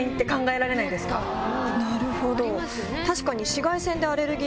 なるほど。